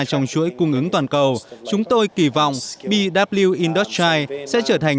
trong chuỗi cung ứng toàn cầu chúng tôi kỳ vọng bw indostrise sẽ trở thành